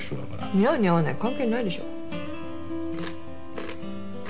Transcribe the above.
似合う似合わない関係ないでしょ。